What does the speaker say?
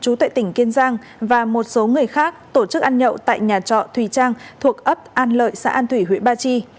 chú tại tỉnh kiên giang và một số người khác tổ chức ăn nhậu tại nhà trọ thùy trang thuộc ấp an lợi xã an thủy huyện ba chi